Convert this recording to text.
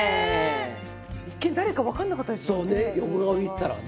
一見誰か分かんなかったですもんね。